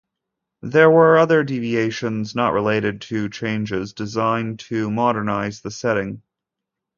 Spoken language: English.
There were other deviations, not related to changes designed to modernize the setting.